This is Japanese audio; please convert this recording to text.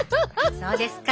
そうですか。